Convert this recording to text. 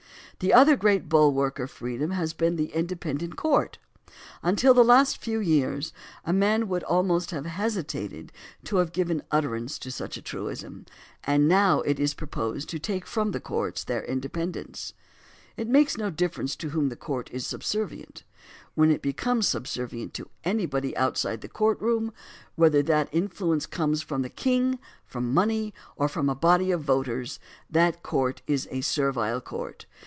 The other great bulwark of freedom has been the independent court. Until the last few years a man would almost have hesitated to have given utterance to such a truism, and now it is proposed to take from the courts their independence. It makes no difference to whom a court is subservient. When it becomes subservient to anybody outside the courtroom — whether that influence comes from the king, from money, or from a body of voters — that court is a servile court.